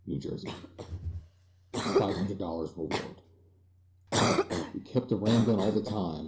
CHAPTER III. "FIVE HUNDRED DOLLARS REWARD" "'WE KEPT a rambling all the time.